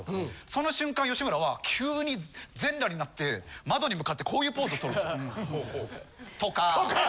その瞬間吉村は急に全裸になって窓に向かってこういうポーズをとるんです。とか。